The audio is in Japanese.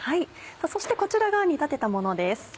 そしてこちらが煮立てたものです。